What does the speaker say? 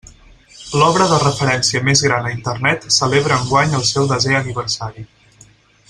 L'obra de referència més gran a Internet celebra enguany el seu desè aniversari.